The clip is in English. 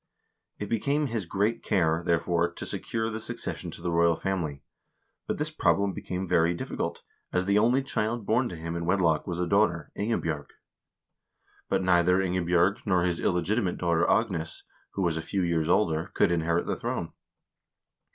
It became his great care, therefore, to secure the succession to the royal family ; but this problem became very difficult, as the only child born to him in wedlock was a daughter, Ingebj0rg. But neither Ingebj0rg, nor his illegitimate daughter Agnes, who was a few years older, could inherit the throne.